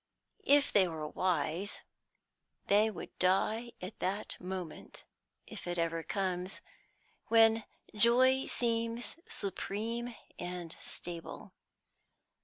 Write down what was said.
If they were wise, they would die at that moment if it ever comes when joy seems supreme and stable.